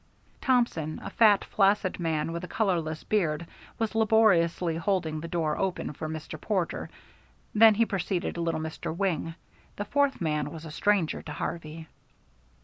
Thompson, a fat, flaccid man with a colorless beard, was laboriously holding the door open for Mr. Porter, then he preceded little Mr. Wing. The fourth man was a stranger to Harvey.